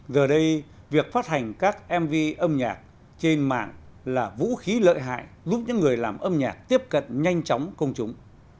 giờ đây việc phát hành các mv âm nhạc trên mạng là vũ khí lợi hại giúp những người làm âm nhạc tiếp cận nhanh chóng công chúng